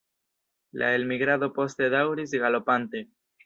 La elmigrado poste daŭris galopante.